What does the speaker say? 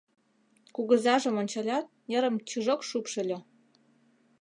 Кугызажым ончалят, нерым чижок шупшыльо.